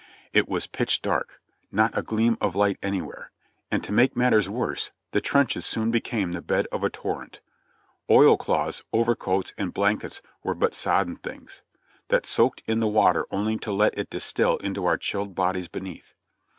It was pitch dark ; not a gleam of light anywhere — and to make matters worse, the trenches soon became the bed of a torrent. Oil cloths, over coats and blankets were but sodden things, that soaked in the water only to let it distill into our chilled bodies beneath.